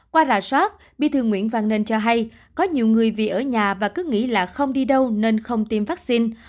qua rà soát bí thư nguyễn văn nên cho hay có nhiều người vì ở nhà và cứ nghĩ là không đi đâu nên không tiêm vaccine